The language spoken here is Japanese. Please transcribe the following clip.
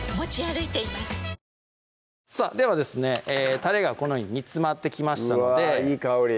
タレがこのように煮詰まってきましたのでうわぁいい香り